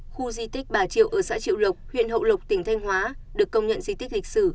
khu di tích bà triệu ở xã triệu lộc huyện hậu lộc tỉnh thanh hóa được công nhận di tích lịch sử